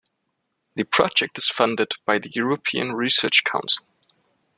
The project is funded by the European Research Council.